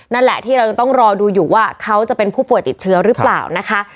นั่นแหละที่เรายังต้องรอดูอยู่ว่าเขาจะเป็นผู้ป่วยติดเชื้อหรือเปล่านะคะ